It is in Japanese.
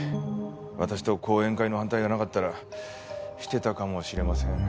私と後援会の反対がなかったらしてたかもしれません。